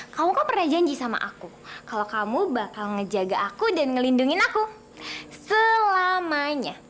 kamu kok pernah janji sama aku kalau kamu bakal ngejaga aku dan ngelindungin aku selamanya